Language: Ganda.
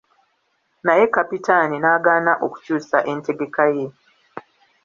Naye Kapitaani n'agaana okukyusa entegeka ye.